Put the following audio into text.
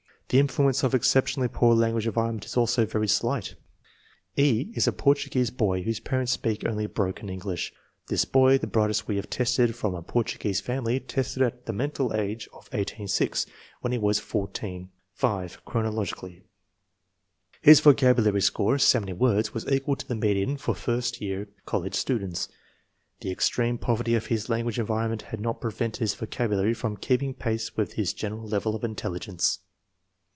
The influence of exceptionally poor language environment is also very slight. E. is a Portuguese boy whose parents speak only broken English. This boy, the brightest we have tested from a Portuguese family, tested at the mental age of 18 6 when he was 14 5 chronologically. His vocabulary score (70 words) was equal to the median for first year college students. The extreme poverty of his language environment had not prevented his vocabulary from keeping pace with his general level of intelligence.